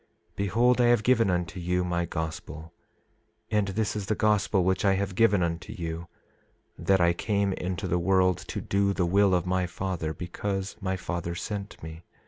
27:13 Behold I have given unto you my gospel, and this is the gospel which I have given unto you—that I came into the world to do the will of my Father, because my Father sent me.